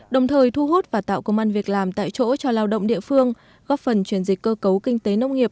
đồng thời thu hút và tạo công an việc làm tại chỗ cho lao động địa phương góp phần truyền dịch cơ cấu kinh tế nông nghiệp